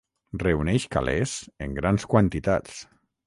Reuneix calés en grans quantitats.